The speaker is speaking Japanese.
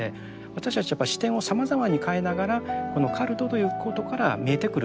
私たちは視点をさまざまに変えながらこのカルトということから見えてくる問題をですね